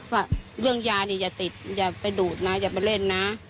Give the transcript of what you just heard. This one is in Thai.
ว่าเรื่องยานี่อย่าติดอย่าไปดูดนะอย่าไปเล่นนะ